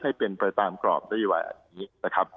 ให้เป็นไปตามกรอบนโยบายอันนี้นะครับ